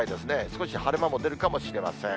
少し晴れ間も出るかもしれません。